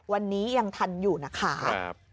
วันนี้ยังทันอยู่นะคะ